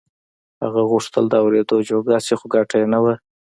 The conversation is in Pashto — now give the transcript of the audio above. هغه غوښتل د اورېدو جوګه شي خو ګټه يې نه وه.